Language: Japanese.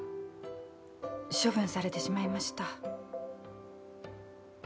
処分されてしまいました。